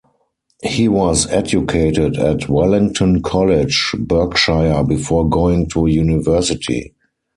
He was educated at Wellington College, Berkshire, before going to university.